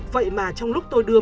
vậy mà trong lúc tôi đưa